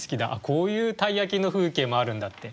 こういう鯛焼の風景もあるんだって